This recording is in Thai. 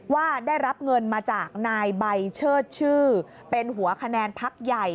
ว่าได้รับเงินมาจากนายใบเชิดชื่อเป็นหัวคะแนนพักใหญ่